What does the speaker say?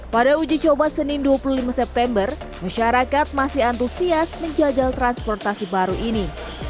pada uji coba senin dua puluh lima september masyarakat masih antusias menjajal transportasi baru ini